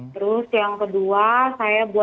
terus yang kedua saya buat